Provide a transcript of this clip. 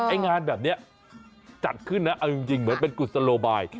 ไอ้งานแบบนี้จัดขึ้นนะเอาจริงเหมือนเป็นกุศโลบาย